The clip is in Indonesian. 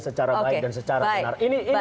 secara baik dan secara benar ini